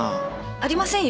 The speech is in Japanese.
ありませんよ。